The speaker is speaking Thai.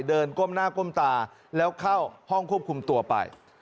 ก้มหน้าก้มตาแล้วเข้าห้องควบคุมตัวไป